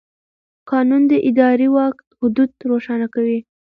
قانون د اداري واک حدود روښانه کوي.